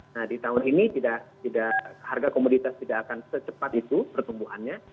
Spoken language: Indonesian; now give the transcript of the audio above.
nah di tahun ini harga komoditas tidak akan secepat itu pertumbuhannya